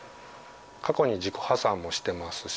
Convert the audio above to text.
過去に自己破産もしてますし。